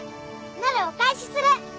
なるお返しする。